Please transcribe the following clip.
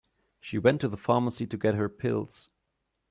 She went to the pharmacy to get her pills.